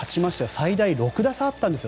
最大６打差あったんですよ。